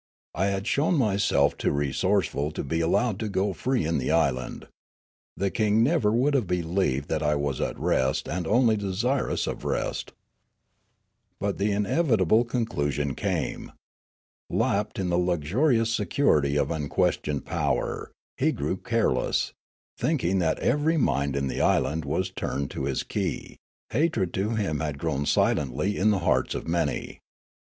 I had shown myself too resourceful to be allowed to go free in the island. The king never would have believed that I was at rest and only desirous of rest. " But the inevitable conclusion came. Lapped in the luxurious security of unquestioned power, he grew careless ; thinking that every mind in the island was tuned to his key, hatred to him had grown silently in the hearts of many.